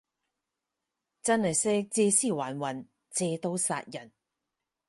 真係識借屍還魂，借刀殺人